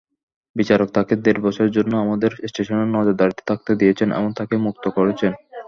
বিচারক তাকে দের বছরের জন্য আমাদের স্টেশনের নজরদারিতে থাকতে দিয়েছেন এবং তাকে মুক্ত করেছেন।